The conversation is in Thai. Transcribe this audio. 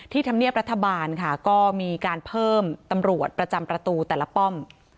ธรรมเนียบรัฐบาลค่ะก็มีการเพิ่มตำรวจประจำประตูแต่ละป้อม